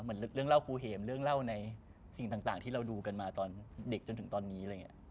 เหมือนเรื่องเล่าครูเห็มเรื่องเล่าในสิ่งต่างที่เราดูกันมาตอนเด็กจนถึงตอนนี้อะไรอย่างนี้